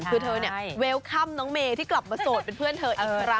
คือเธอเนี่ยเวลค่ำน้องเมย์ที่กลับมาโสดเป็นเพื่อนเธออีกครั้ง